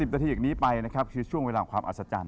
นาทีอย่างนี้ไปนะครับคือช่วงเวลาของความอัศจรรย